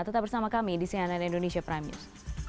tetap bersama kami di cnn indonesia prime news